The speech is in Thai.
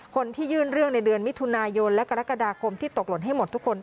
คนที่ยื่นเรื่องในเดือนมิถุนายนและกรกฎาคมที่ตกหล่นให้หมดทุกคน